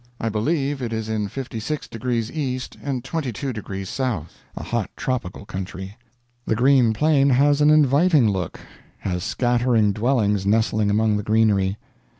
I believe it is in 56 degrees E. and 22 degrees S. a hot tropical country. The green plain has an inviting look; has scattering dwellings nestling among the greenery.